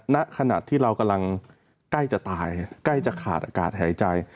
ณขณะที่เรากำลังใกล้จะตายใกล้จะขาดอากาศหายใจ